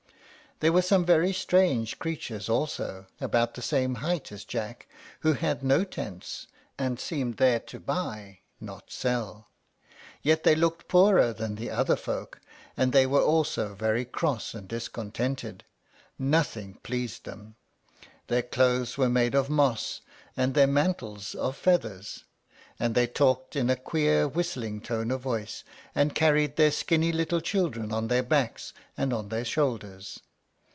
There were some very strange creatures also, about the same height as Jack, who had no tents, and seemed there to buy, not to sell. Yet they looked poorer than the other folks, and they were also very cross and discontented; nothing pleased them. Their clothes were made of moss, and their mantles of feathers; and they talked in a queer whistling tone of voice, and carried their skinny little children on their backs and on their shoulders.